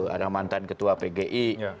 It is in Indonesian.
ada mantan ketua pgi